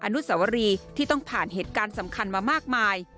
อนุสวรีที่ต้องผ่านเหตุการณ์สำคัญมามากมาย